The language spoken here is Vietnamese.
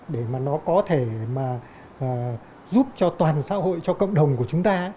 để mà nó có thể mà giúp cho toàn xã hội cho cộng đồng của chúng ta